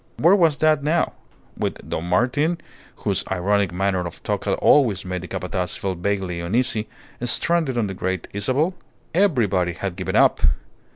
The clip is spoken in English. Where was that now with Don Martin (whose ironic manner of talk had always made the Capataz feel vaguely uneasy) stranded on the Great Isabel? Everybody had given up.